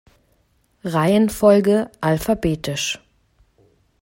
Reihenfolge alphabetisch.